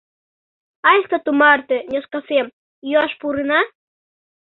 Айста тумарте «Нескафем» йӱаш пурена?